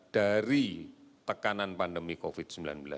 dari tekanan pandemi covid sembilan belas